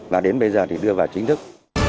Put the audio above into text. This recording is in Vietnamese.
và đến bây giờ thì đưa vào chính thức